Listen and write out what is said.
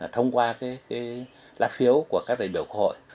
thông qua cái láp phiếu của các đại biểu quốc hội